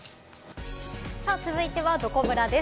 続いてはどこブラです。